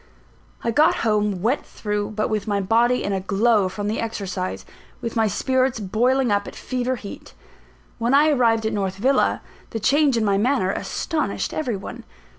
I got home wet through; but with my body in a glow from the exercise, with my spirits boiling up at fever heat. When I arrived at North Villa, the change in my manner astonished every one.